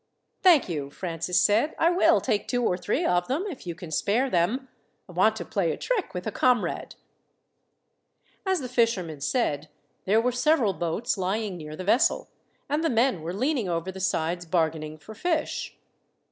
"Thank you," Francis said. "I will take two or three of them, if you can spare them. I want to play a trick with a comrade." As the fishermen said, there were several boats lying near the vessel, and the men were leaning over the sides bargaining for fish.